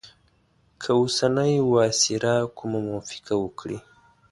که اوسنی وایسرا کومه موافقه وکړي.